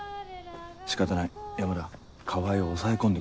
仕方ない山田川合を抑え込んで来い。